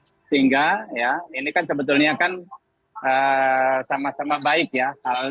sehingga ya ini kan sebetulnya kan sama sama baik ya